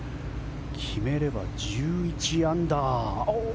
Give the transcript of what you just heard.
決めれば１１アンダー。